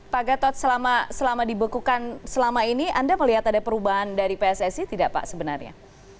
pak gatot selama dibekukan selama ini anda melihat ada perubahan dari pssi tidak pak sebenarnya